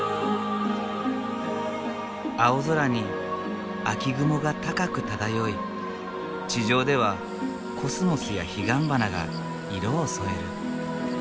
青空に秋雲が高く漂い地上ではコスモスやヒガンバナが色を添える。